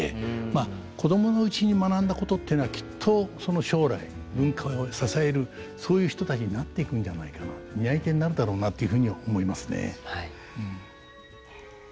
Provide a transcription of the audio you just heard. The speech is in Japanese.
まあ子供のうちに学んだことっていうのはきっとその将来文化を支えるそういう人たちになっていくんじゃないかな担い手になるだろうなというふうに思いますね。